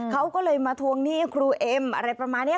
เขาก็เลยมาทวงหนี้ครูเอ็มอะไรประมาณนี้